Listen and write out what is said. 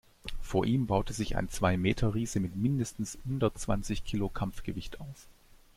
Vor ihm baute sich ein Zwei-Meter-Riese mit mindestens hundertzwanzig Kilo Kampfgewicht auf.